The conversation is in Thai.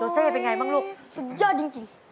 สุดยอดจริง